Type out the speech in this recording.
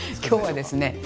今日はですね